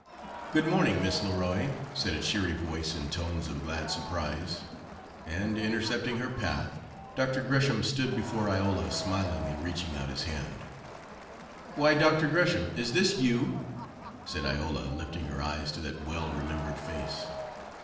"Good morning, Miss Leroy," said a cheery voice in tones of glad surprise, and, intercepting her path, Dr. Gresham stood before Iola, smiling, and reaching out his hand. "Why, Dr. Gresham, is this you?" said Iola, lifting her eyes to that well remembered face.